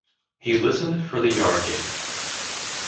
He listened for the yard-gate.